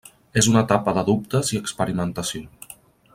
És una etapa de dubtes i experimentació.